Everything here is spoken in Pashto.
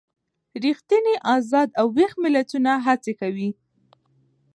ریښتیني ازاد او ویښ ملتونه هڅې کوي.